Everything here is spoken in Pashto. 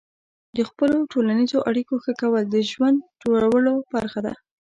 د خپلو ټولنیزو اړیکو ښه کول د ژوند جوړولو برخه ده.